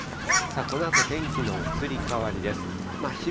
このあと天気の移り変わりです。